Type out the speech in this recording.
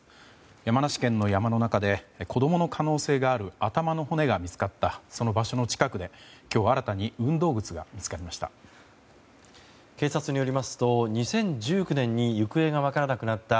山梨県の山の中で子供の可能性がある頭の骨が見つかったその場所の近くで今日新たに運動靴が見つかりました。